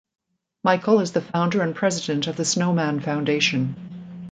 Michael is the founder and president of the Snowman Foundation.